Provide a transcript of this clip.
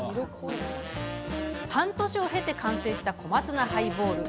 半年を経て完成した小松菜ハイボール。